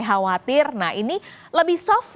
khawatir nah ini lebih soft